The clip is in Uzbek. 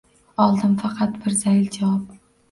Oldim faqat bir zayil javob